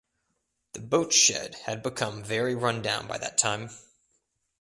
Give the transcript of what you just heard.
The boatshed had become very run down by that time.